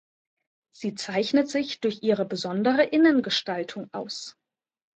Sie zeichnet sich durch ihre besondere Innengestaltung aus.